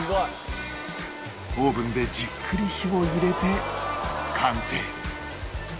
オーブンでじっくり火を入れて完成